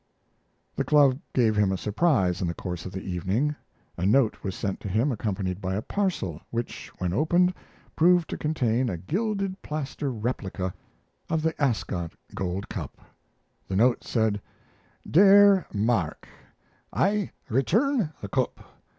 The club gave him a surprise in the course of the evening. A note was sent to him accompanied by a parcel, which, when opened, proved to contain a gilded plaster replica of the Ascot Gold Cup. The note said: Dere Mark, i return the Cup.